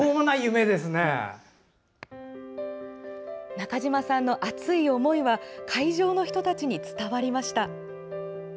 中島さんの熱い思いは会場の人たちに伝わりました。